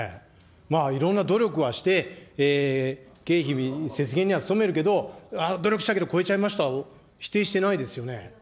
まあいろんな努力はして、経費節減には努めるけれども、ああ、努力したけど超えちゃいましたを否定してないですよね。